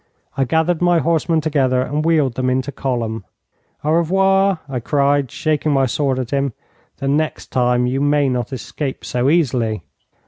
I gathered my horsemen together and wheeled them into column. 'Au revoir,' I cried, shaking my sword at him. 'The next time you may not escape so easily.'